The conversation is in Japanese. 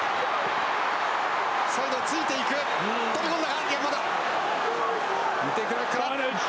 サイドを突いていく、飛び込んだ。